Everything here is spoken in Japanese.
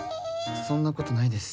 そんなことないです